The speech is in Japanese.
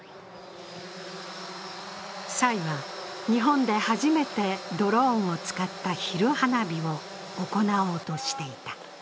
蔡は日本で初めてドローンを使った昼花火を行おうとしていた。